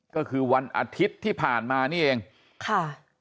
ก็คือวันอาทิตย์ที่ผ่านมานี่เองค่ะ